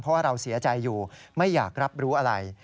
เพราะว่าเราเสียใจอยู่ไม่อยากรับรู้อะไร